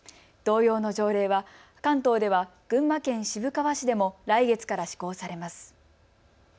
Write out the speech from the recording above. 同様の条例は関東では群馬県渋川市でも来月から施行されます。